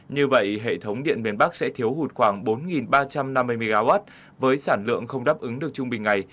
như vậy hệ thống điện miền bắc sẽ thiếu hụt khoảng bốn ba trăm năm mươi mw với sản lượng không đáp ứng được trung bình ngày